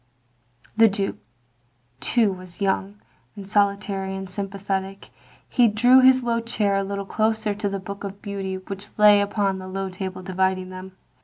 The Duke too was young, and solitary, and sym pathetic. He drew his low chair a little closer to the Book of Beauty which lay upon the low table dividing them.